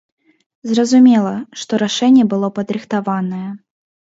Зразумела, што рашэнне было падрыхтаванае.